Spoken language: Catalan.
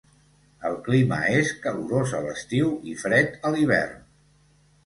El clima és calorós a l'estiu i fred a l'hivern.